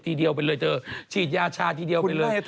ไปดีดเตรคือเขามาขับเบียดเละ